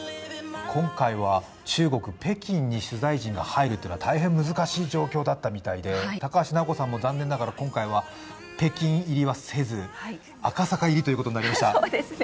今回は中国・北京に取材陣が入ることは大変難しい状況だったようで高橋尚子さんも残念ながら今回は北京入りはせず赤坂入りということになりました。